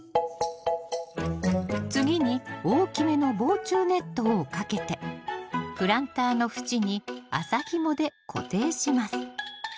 次に大きめの防虫ネットをかけてプランターの縁に麻ひもで固定します